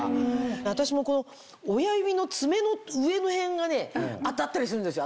私も親指の爪の上の辺がね当たったりするんですよ。